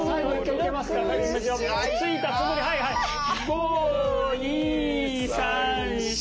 ５２３４。